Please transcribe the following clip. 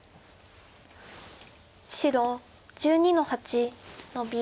白１２の八ノビ。